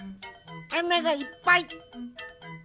あながいっぱい！